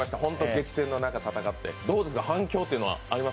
激戦の中、戦ってどうですか、反響というのは。